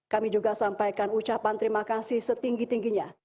kami juga sampaikan ucapan terima kasih setinggi tingginya